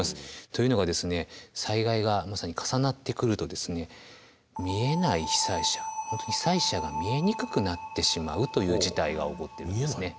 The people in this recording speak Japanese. というのが災害がまさに重なってくると被災者が見えにくくなってしまうという事態が起こっているんですね。